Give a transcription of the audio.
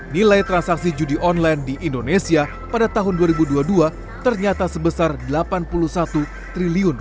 nilai transaksi judi online di indonesia pada tahun dua ribu dua puluh dua ternyata sebesar rp delapan puluh satu triliun